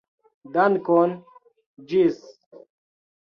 Dankon, ĝis!